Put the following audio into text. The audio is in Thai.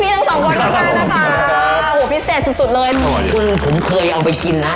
นี้แหละนี่คุณดีจริงแล้ว